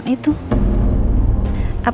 apa yang terjadi